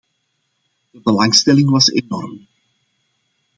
De belangstelling was enorm.